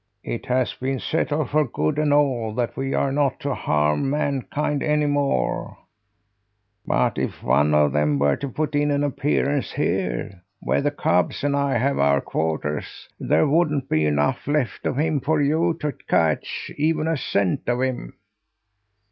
"It has been settled for good and all that we are not to harm mankind any more; but if one of them were to put in an appearance here, where the cubs and I have our quarters, there wouldn't be enough left of him for you to catch even a scent of him!"